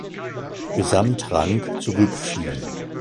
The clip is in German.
Gesamtrang zurückfiel.